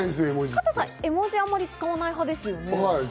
加藤さん、あまり絵文字を使わない派ですよね。